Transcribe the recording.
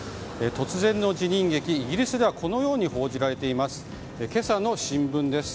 突然の辞任劇、イギリスではこのように報じられています。